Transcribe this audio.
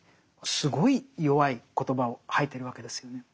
すごい弱い言葉を吐いてるわけですよね。